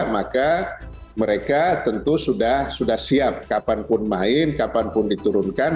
maka mereka tentu sudah siap kapanpun main kapanpun diturunkan